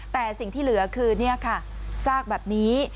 แต่สิ่งที่เหลือคือนี่ค่ะซากแบบนี้